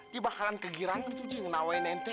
dia bakalan kegirangan tuh ji ngenawain ente